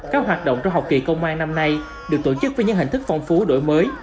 các hoạt động trong học kỳ công an năm nay được tổ chức với những hình thức phong phú đổi mới